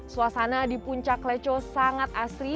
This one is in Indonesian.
suasana di puncak leco sangat asri